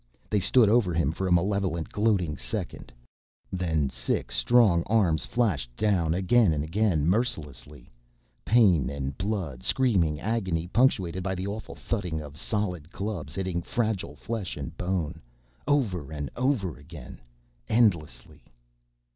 They stood over him for a malevolent, gloating second. Then six strong arms flashed down, again and again, mercilessly. Pain and blood, screaming agony, punctuated by the awful thudding of solid clubs hitting fragile flesh and bone, over and over again, endlessly.